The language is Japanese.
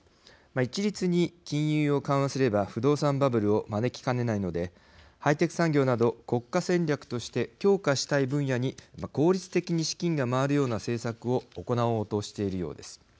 一律に金融を緩和すれば不動産バブルを招きかねないのでハイテク産業など国家戦略として強化したい分野に効率的に資金が回るような政策を行おうとしているようです。